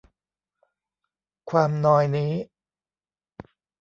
ความนอยนี้